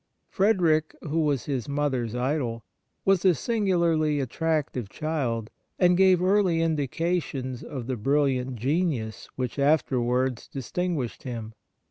Frederick, who was his mother's idol, was a singularly attractive child, and gave early indications of the brilliant genius which afterwards distinguished him.